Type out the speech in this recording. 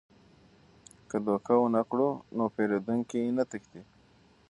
که دوکه ونه کړو نو پیرودونکي نه تښتي.